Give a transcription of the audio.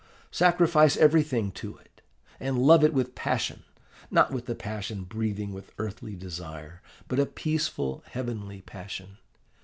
Sacrifice everything to it, and love it with passion not with the passion breathing with earthly desire, but a peaceful, heavenly passion.